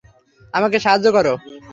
আমাকে সাহায্য করো!